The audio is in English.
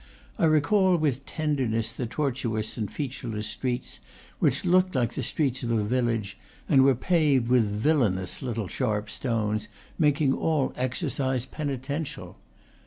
I recall with tenderness the tortuous and featureless streets, which looked like the streets of a village, and were paved with villanous little sharp stones, making all exercise penitential.